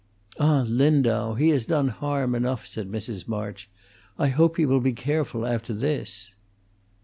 "Ah, Lindau! He has done harm enough," said Mrs. March. "I hope he will be careful after this."